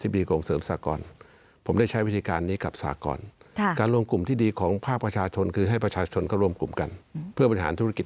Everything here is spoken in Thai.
เพื่อบริหารธุรกิจของเขาเอง